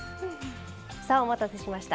さあお待たせしました。